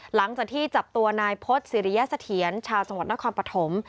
หลังจากที่จับตัวนายพฤษศิริยเสถียรชาวจังหวัดนครปฐม